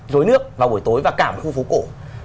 rối nước vào buổi tối và cả một khu phố cổ